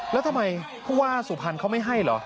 แล้วทำไมผู้ว่าสุพรรณเขาไม่ให้เหรอ